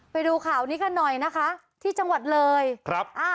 ไปดูข่าวนี้กันหน่อยนะคะที่จังหวัดเลยครับอ่า